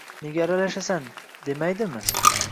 Nega aralashasan demaydimi?..